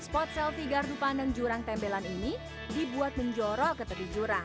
spot selfie gardu pandang jurang tembelan ini dibuat menjorok ke atas jurang